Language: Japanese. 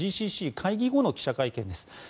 ＧＣＣ会議後の記者会見です。